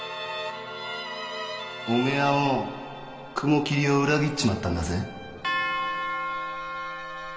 お前はもう雲霧を裏切っちまったんだぜ。